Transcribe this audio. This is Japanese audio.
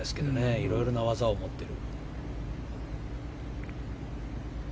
いろいろな技を持っている。